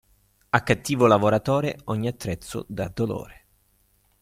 A cattivo lavoratore ogni attrezzo da dolore.